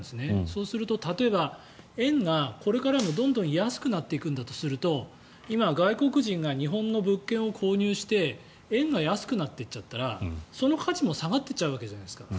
そうすると例えば、円がこれからもどんどん安くなっていくんだとすると今、外国人が日本の物件を購入して円が安くなっていっちゃったらその価値も下がるわけじゃないですか。